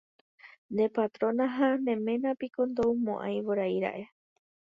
nde Petrona, ha ne ména piko ndoumo'ãivoira'e